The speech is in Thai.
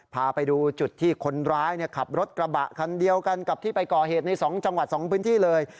พาไปดูจุดที่คนร้ายขับรถกระบะคันเดียวกันกับที่ไปก่อเหตุใน๒จังหวัด๒พื้นที่เลย